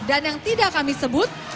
dan yang tidak kami sebut